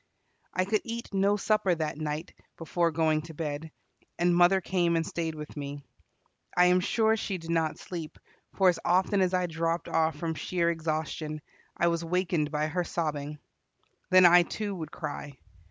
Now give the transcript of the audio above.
I could eat no supper that night before going to bed, and mother came and stayed with me. I am sure she did not sleep, for as often as I dropped off from sheer exhaustion, I was wakened by her sobbing. Then I, too, would cry.